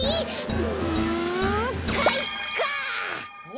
うんかいか！